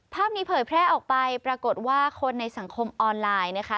ภาพนี้เผยแพร่ออกไปปรากฏว่าคนในสังคมออนไลน์นะคะ